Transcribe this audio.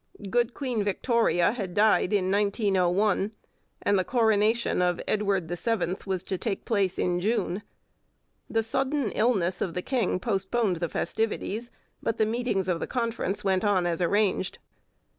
Good Queen Victoria had died in 1901, and the coronation of Edward the Seventh was to take place in June. The sudden illness of the king postponed the festivities, but the meetings of the Conference went on as arranged.